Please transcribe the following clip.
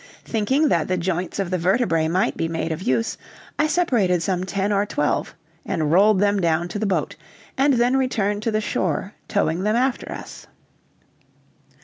Thinking that the joints of the vertebræ might be made of use, I separated some ten or twelve, and rolled them down to the boat, and then returned to the shore, towing them after us.